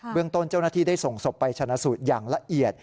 เรื่องต้นเจ้าหน้าที่ได้ส่งศพไปชนะสูตรอย่างละเอียด